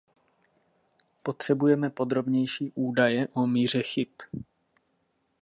Potřebujeme podrobnější údaje o míře chyb.